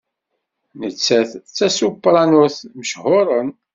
Nettat d tasopranot mechuṛen.